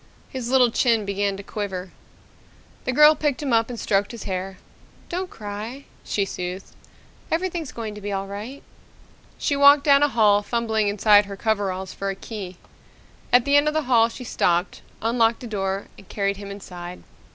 His little chin began to quiver. The girl picked him up and stroked his hair. "Don't cry," she soothed. "Everything's going to be all right." She walked down a hall, fumbling inside her coveralls for a key. At the end of the hall she stopped, unlocked a door, and carried him inside.